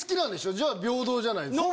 じゃあ平等じゃないですか。